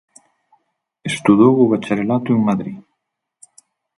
Estudou o bacharelato en Madrid.